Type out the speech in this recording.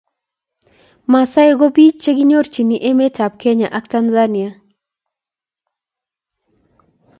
maasai ko biich chekinyorchini emeet ab kenya ak Tanzania